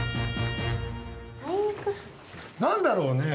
何だろうね。